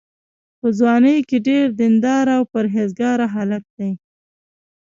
په ځوانۍ کې ډېر دینداره او پرهېزګاره هلک دی.